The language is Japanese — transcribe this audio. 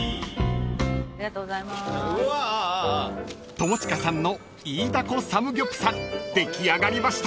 ［友近さんのイイダコサムギョプサル出来上がりました］